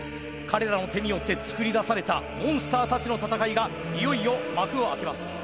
彼らの手によって作り出されたモンスターたちの戦いがいよいよ幕を開けます。